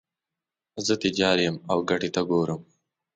زه تجار یم او ګټې ته ګورم.